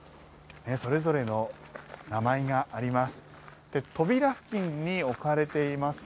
それぞれの名前があります。